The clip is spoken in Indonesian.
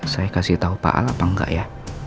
saya kasih tahu pak al apa enggak ya